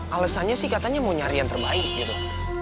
alasannya sih katanya mau nyari yang terbaik gitu